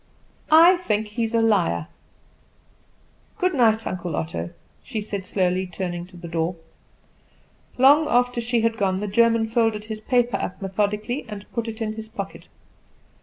"I think he is a liar. Good night, Uncle Otto," she said slowly, turning to the door. Long after she had gone the German folded his paper up methodically, and put it in his pocket.